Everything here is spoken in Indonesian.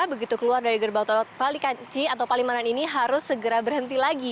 begitu keluar dari gerbang tol palikanci atau palimanan ini harus segera berhenti lagi